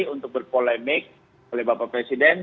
untuk berpolemik oleh bapak presiden